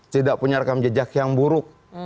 tidak punya rekam jejak yang buruk